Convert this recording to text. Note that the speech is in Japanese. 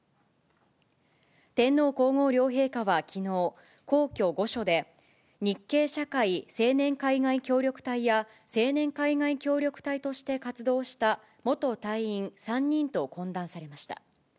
天皇皇后両陛下はきのう、皇居・御所で、日系社会青年海外協力隊や青年海外協力隊として活動した元隊員３人と懇談されました。